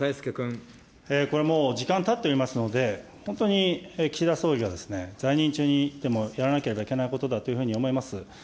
これもう時間たっておりますので、本当に岸田総理は在任中にでもやらなきゃいけないことだと思います。